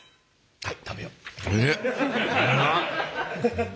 はい。